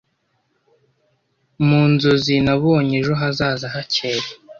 Mu nzozi Nabonye ejo hazaza hakeye--